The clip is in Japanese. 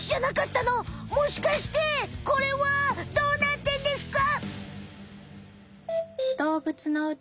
もしかしてこれはどうなってんですか！？